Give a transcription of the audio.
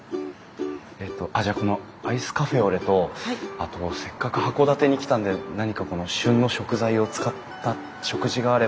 えっとじゃあこのアイスカフェオレとあとせっかく函館に来たんで何か旬の食材を使った食事があれば。